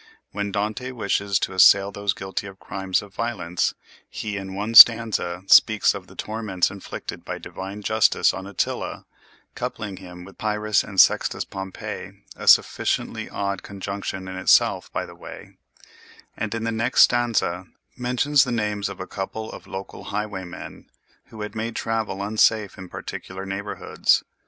When Dante wishes to assail those guilty of crimes of violence, he in one stanza speaks of the torments inflicted by divine justice on Attila (coupling him with Pyrrhus and Sextus Pompey—a sufficiently odd conjunction in itself, by the way), and in the next stanza mentions the names of a couple of local highwaymen who had made travel unsafe in particular neighborhoods.